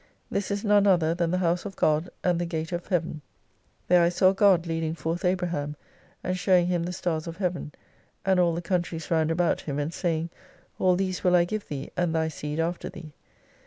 This is none other than the House of God, ajid the Gate oj Heaven. There I saw God leading forth Abraham, and showing him the stars of Heaven ; and all the countries round about him, and saying. All these will I give thee, and thy seed after thee.